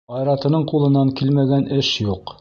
Айратының ҡулынан килмәгән эш юҡ.